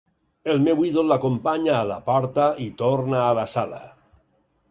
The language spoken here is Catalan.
El meu ídol l'acompanya a la porta i torna a la sala.